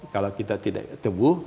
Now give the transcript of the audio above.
kalau kita tidak tebu